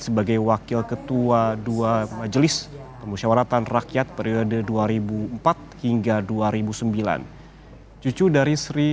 sebagai wakil ketua dua majelis pemusyawaratan rakyat periode dua ribu empat hingga dua ribu sembilan cucu dari sri